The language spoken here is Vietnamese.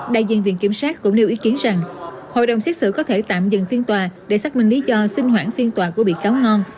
đại diện viện kiểm sát cũng nêu ý kiến rằng hội đồng xét xử có thể tạm dừng phiên tòa để xác minh lý do xin hoãn phiên tòa của bị cáo ngon